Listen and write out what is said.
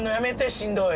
しんどっ！